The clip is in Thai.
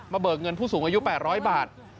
เบิกเงินผู้สูงอายุ๘๐๐บาท